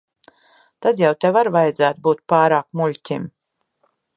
Tad jau tev ar vajadzētu būt pārāk muļķim.